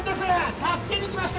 助けに来ました！